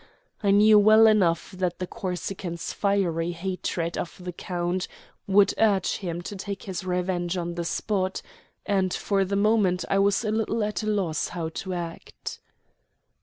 I knew well enough that the Corsican's fiery hatred of the count would urge him to take his revenge on the spot, and for the moment I was a little at a loss how to act.